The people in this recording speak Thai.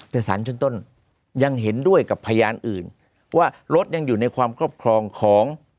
แต่สารชั้นต้นยังเห็นด้วยกับพยานอื่นว่ารถยังอยู่ในความครอบครองของ